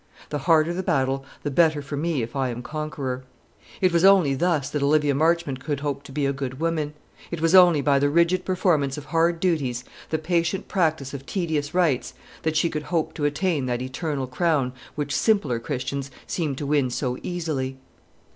The harder the battle, the better for me if I am conqueror." It was only thus that Olivia Marchmont could hope to be a good woman. It was only by the rigid performance of hard duties, the patient practice of tedious rites, that she could hope to attain that eternal crown which simpler Christians seem to win so easily.